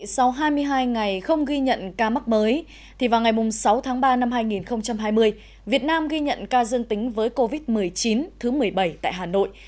sau hai mươi hai ngày không ghi nhận ca mắc mới vào ngày sáu tháng ba năm hai nghìn hai mươi việt nam ghi nhận ca dương tính với covid một mươi chín thứ một mươi bảy tại hà nội